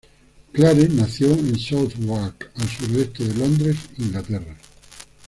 Clare nació en Southwark, al sureste de Londres, Inglaterra.